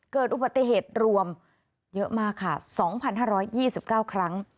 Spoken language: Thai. เกิดอุบัติเหตุรวมเยอะมากค่ะ๒๕๒๙ครั้ง